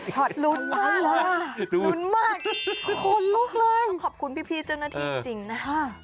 ลุ้นล้านลุ้นมากขนลุกเลยต้องขอบคุณพี่เจ้าหน้าที่จริงนะฮะ